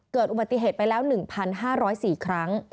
เกิดอุบัติเหตุไปแล้ว๑๕๐๔ครั้ง